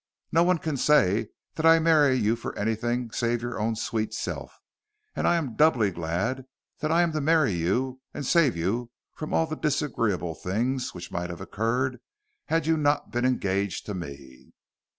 No one can say that I marry you for anything save your own sweet self. And I am doubly glad that I am to marry you and save you from all the disagreeable things which might have occurred had you not been engaged to me."